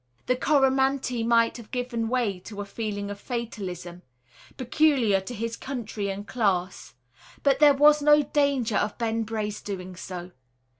The Coromantee might have given way to a feeling of fatalism, peculiar to his country and class, but there was no danger of Ben Brace doing so.